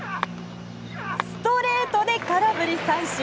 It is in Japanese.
ストレートで空振り三振！